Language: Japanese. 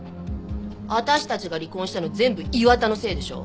私たちが離婚したの全部磐田のせいでしょ？